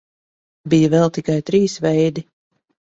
Bija vēl tikai trīs veidi.